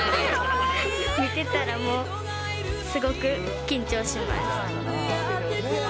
見てたら、もうすごく緊張します。